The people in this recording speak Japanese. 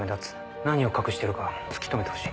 何を隠してるか突き止めてほしい。